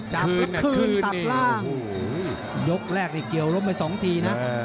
จับและคืนตัดล่างยกแรกเกี่ยวลบไปสองทีนะ